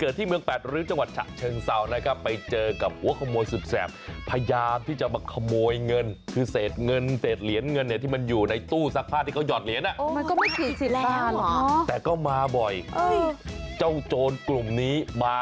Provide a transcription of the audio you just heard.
ดูภาพเหตุการณ์นี้